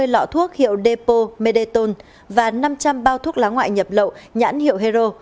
một bảy trăm năm mươi lọ thuốc hiệu depo medetone và năm trăm linh bao thuốc lá ngoại nhập lậu nhãn hiệu hero